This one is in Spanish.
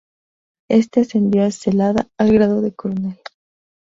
Éste ascendió a Zelada al grado de coronel.